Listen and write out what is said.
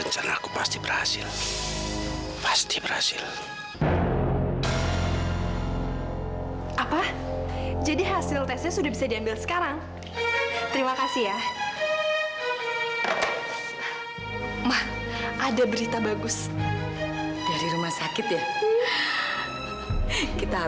sampai jumpa di video selanjutnya